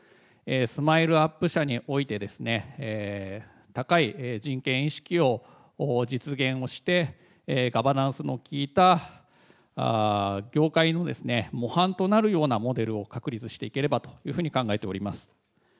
ＳＭＩＬＥーＵＰ．社において、高い人権意識を実現をして、ガバナンスのきいた業界の模範となるようなモデルを確立していければと考えております。